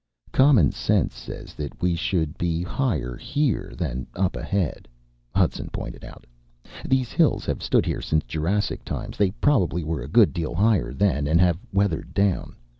"Common sense says that we should be higher here than up ahead," Hudson pointed out. "These hills have stood here since Jurassic times. They probably were a good deal higher then and have weathered down.